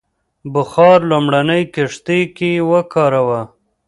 بخار لومړنۍ کښتۍ کې وکاراوه.